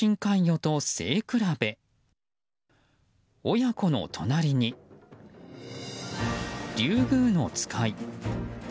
親子の隣にリュウグウノツカイ。